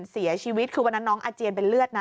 เสียชีวิตคือวันนั้นน้องอาเจียนเป็นเลือดนะ